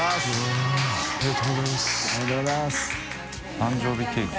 誕生日ケーキ。